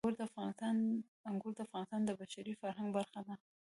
انګور د افغانستان د بشري فرهنګ برخه ده.